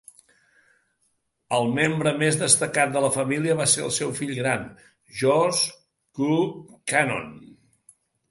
El membre més destacat de la família va ser el seu fill gran, George Q. Cannon.